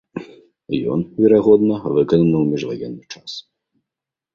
Ён, верагодна, выкананы ў міжваенны час.